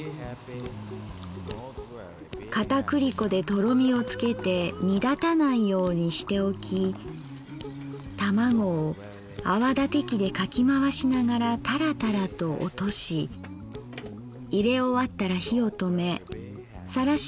片栗粉でとろみをつけて煮だたないようにしておき玉子を泡立て器でかきまわしながらタラタラと落としいれ終わったら火をとめさらし